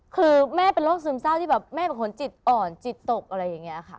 คือแม่เป็นโรคซึมเศร้าที่แบบแม่เป็นคนจิตอ่อนจิตตกอะไรอย่างนี้ค่ะ